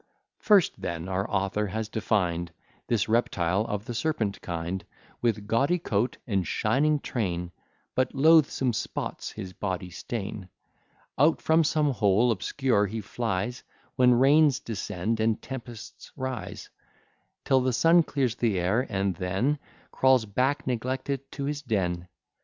First, then, our author has defined This reptile of the serpent kind, With gaudy coat, and shining train; But loathsome spots his body stain: Out from some hole obscure he flies, When rains descend, and tempests rise, Till the sun clears the air; and then Crawls back neglected to his den.